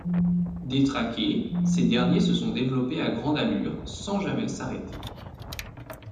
Détraqués, ces derniers se sont développés à grande allure sans jamais s'arrêter.